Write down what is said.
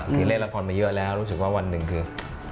คือเล่นละครมาเยอะแล้วรู้สึกว่าวันหนึ่งคือ